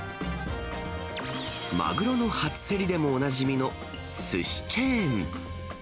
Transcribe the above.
マグロの初競りでもおなじみのすしチェーン。